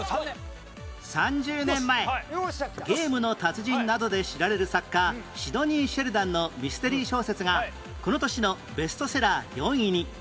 ３０年前『ゲームの達人』などで知られる作家シドニィ・シェルダンのミステリー小説がこの年のベストセラー４位に